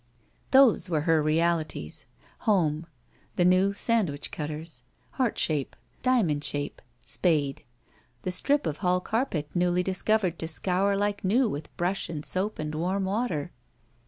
Those were her realities. Home. The new sand wich cutters. Heart shape. Diamond shape. Spade. The strip of hall carpet newly discovered to scour like new with brush and soap and warm water.